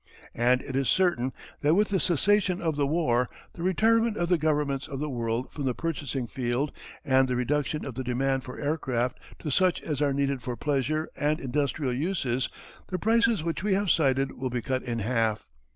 And it is certain that with the cessation of the war, the retirement of the governments of the world from the purchasing field and the reduction of the demand for aircraft to such as are needed for pleasure and industrial uses the prices which we have cited will be cut in half.